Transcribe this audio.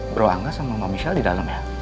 bro angga sama mama michelle didalem ya